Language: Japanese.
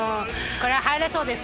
これは入れそうですか？